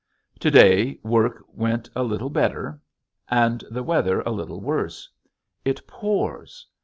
To day work went a little better and the weather a little worse. It pours.